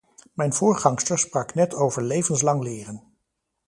Mijn voorgangster sprak net over levenslang leren.